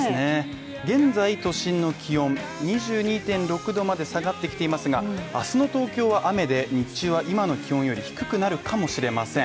現在都心の気温２２．６度まで下がってきていますが、明日の東京は雨で、日中は今の気温より低くなるかもしれません。